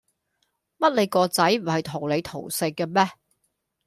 乜你個仔唔係同你同姓嘅咩